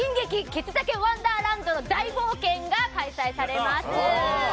ケツだけワンダーランドの大冒険」が開催されます。